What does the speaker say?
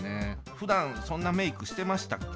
ふだんそんなメークしてましたっけ？